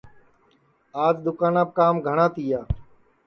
آج دؔوکاناپ کام گھٹؔا تیا